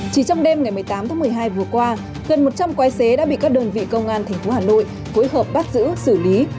chỉ trong đêm ngày một mươi tám tháng một mươi hai vừa qua gần một trăm linh quái xế đã bị các đơn vị công an tp hà nội phối hợp bắt giữ xử lý